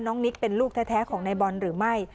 นิกเป็นลูกแท้ของนายบอลหรือไม่